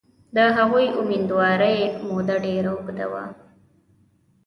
د هغوی امیندوارۍ موده ډېره اوږده وه.